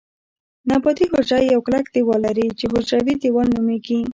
نباتي حجره یو کلک دیوال لري چې حجروي دیوال نومیږي